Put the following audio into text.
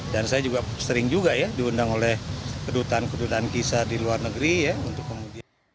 dan saya juga sering juga ya diundang oleh kedutaan kedutaan kisah di luar negeri ya